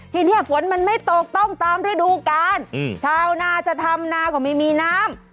ทีนี้ฝนมันไม่ตกต้องตามฤดูกาลชาวนาจะทำนาก็ไม่มีน้ำ